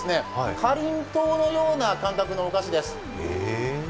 かりんとうのような感覚のお菓子です。